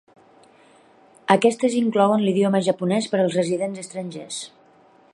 Aquestes inclouen l'idioma japonès per als residents estrangers.